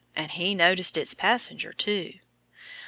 And he noticed its passenger, too.